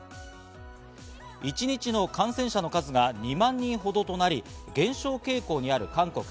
一日の感染者数の数が２万人ほどとなり減少傾向にある韓国。